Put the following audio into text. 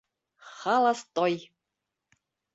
Холостой!